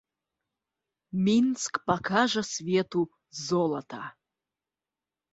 Мінск пакажа свету золата.